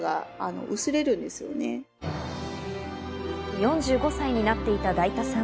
４５歳になっていただいたさん。